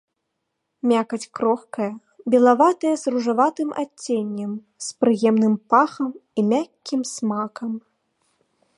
Мякаць крохкая, белаватая з ружаватым адценнем, з прыемным пахам і мяккім смакам.